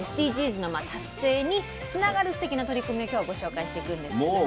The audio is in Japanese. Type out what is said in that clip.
ＳＤＧｓの達成につながるすてきな取り組みを今日はご紹介していくんですけどね。